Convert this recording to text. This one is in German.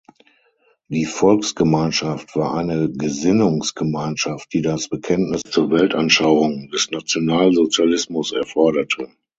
Die Volksgemeinschaft war eine Gesinnungsgemeinschaft, die das Bekenntnis zur Weltanschauung des Nationalsozialismus erforderte.